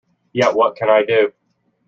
Yet what can I do?